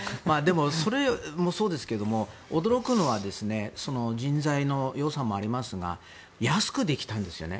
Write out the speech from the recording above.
それもそうですが驚くのは人材の予算もありますが安くできたんですね。